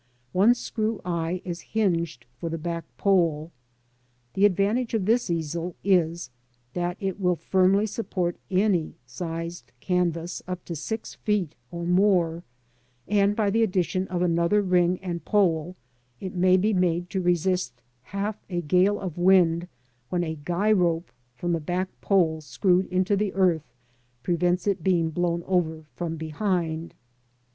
One screw eye is hinged for the back pole. The advantage of this easel is, that it will firmly support any sized canvas up to six feet or more, and, by the addition of another ring and pole, it may be made to resist half a gale of wind, while a guy rope from the back pole screwed into the earth prevents it being blown over from behind.